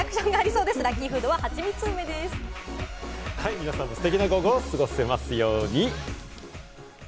皆さんもステキな午後を過ごせますように。